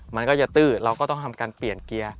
มันก็จะตื้อเราก็ต้องทำการเปลี่ยนเกียร์